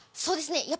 そうですね。